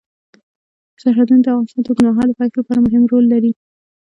سرحدونه د افغانستان د اوږدمهاله پایښت لپاره مهم رول لري.